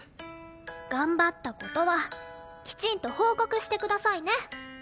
頑張った事はきちんと報告してくださいね。